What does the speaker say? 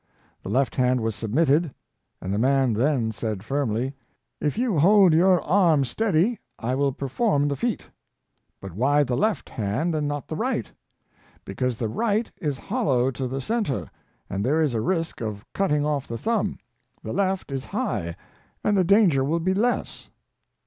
The left hand was submitted, and the man then said firmly, " If you will hold your arm steady I will perform the feat." " But why the left hand and not the right .^"" Because the right is hollow to the centre, Was/i ington, 2 8 S and there is a risk of cutting off the thumb; the left is high, and the danger will be less.''